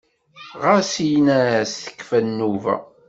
Ɣas in-as tekfa nnuba.